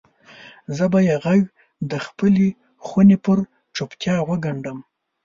زه به یې ږغ دخپلې خونې پر چوپتیا وګنډم